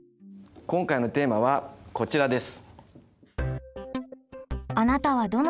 今回のテーマはこちらです！